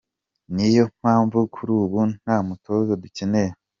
Niyo mpamvu kuri ubu nta mutoza dukeneye.